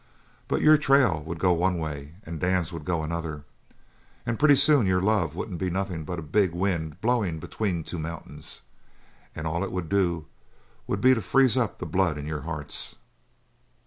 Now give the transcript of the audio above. But your trail would go one way and Dan's would go another, and pretty soon your love wouldn't be nothin' but a big wind blowin' between two mountains and all it would do would be to freeze up the blood in your hearts."